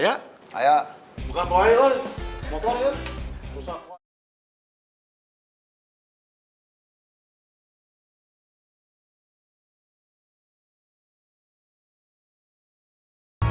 wah demekan riana